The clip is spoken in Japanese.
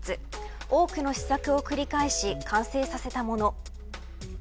多くの試作を繰り返し完成させたもの。